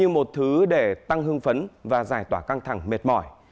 như một thứ để tăng hương phấn và giải tỏa căng thẳng mệt mỏi